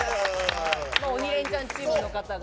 「鬼レンチャン」チームの方が。